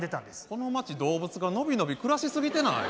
この町動物が伸び伸び暮らし過ぎてない？